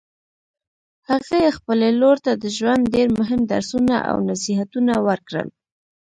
هغې خپلې لور ته د ژوند ډېر مهم درسونه او نصیحتونه ورکړل